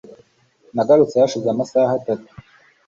Nagarutse hashize amasaha atatu